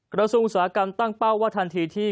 ครบเอาสู่อุตสาหกรรมตั้งเป้าว่าทันทีที่